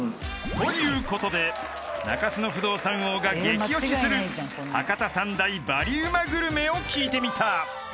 ［ということで中洲の不動産王がゲキオシする博多３大バリうまグルメを聞いてみた］